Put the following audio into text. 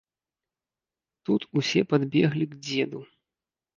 Тут усе падбеглі к дзеду.